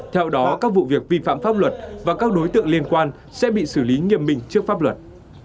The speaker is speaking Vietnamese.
theo đó các vụ việc vi phạm pháp luật và các đối tượng liên quan sẽ bị xử lý nghiêm minh trước pháp luật